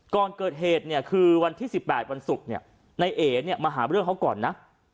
ก่อนเกิดเหตุคือวันที่๑๘วันศุกร์ในเอกมาหาเรื่องเขาก่อนนะ